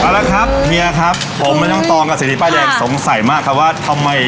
แต่ก็คือสมัยก่อนเนี่ยมันนี้บะหมี่ชื่อว่าราชาบะหมี่